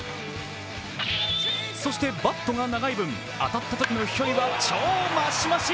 そしてバットが長い分、当たったときの飛距離は超マシマシ。